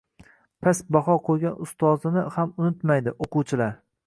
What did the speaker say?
Past baxo qoʻygan ustozini ham unitmaydi oʻquvchilar.